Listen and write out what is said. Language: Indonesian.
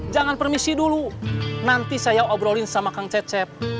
jangan permisi dulu nanti saya obrolin sama kang cecep